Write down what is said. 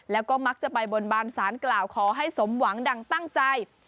แล้วก็มักจะไปบนบานสารกล่าวขอให้สมหวังดังตั้งใจ